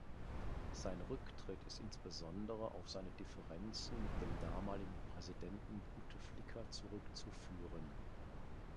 Sein Rücktritt ist insbesondere auf seine Differenzen mit dem damaligen Präsidenten Bouteflika zurückzuführen.